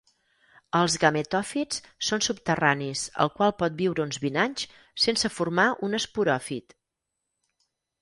Els gametòfits són subterranis el qual pot viure uns vint anys sense formar un esporòfit.